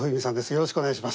よろしくお願いします。